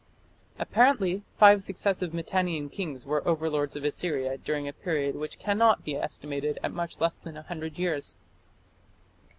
Apparently five successive Mitannian kings were overlords of Assyria during a period which cannot be estimated at much less than a hundred years.